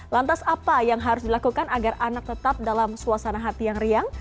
lantas apa yang harus dilakukan agar anak tetap dalam suasana hati yang riang